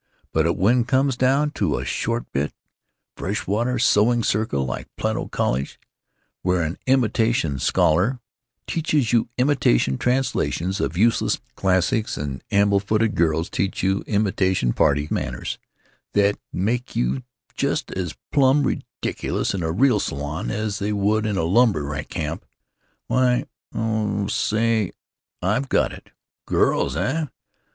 But when it comes down to a short bit, fresh water sewing circle like Plato College, where an imitation scholar teaches you imitation translations of useless classics, and amble footed girls teach you imitation party manners that 'd make you just as plumb ridic'lous in a real salon as they would in a lumber camp, why——Oh, sa a a y! I've got it. Girls, eh?